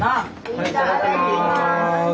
いただきます。